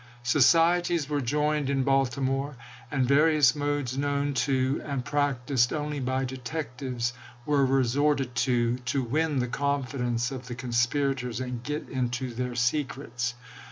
Societies were joined in Baltimore, and various modes known to and practiced only by detectives were resorted to, to win the confidence of the conspirators and get into their secrets.